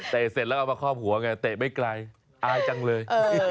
เสร็จแล้วเอามาคอบหัวไงเตะไม่ไกลอายจังเลย